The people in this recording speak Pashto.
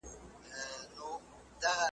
څوک به څرنګه ځان ژغوري له شامته ,